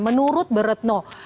menurut bu retno